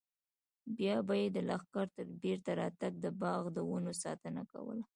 بیا به یې د لښکر تر بېرته راتګ د باغ د ونو ساتنه کوله.